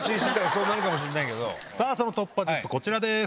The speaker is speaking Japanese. その突破術こちらです。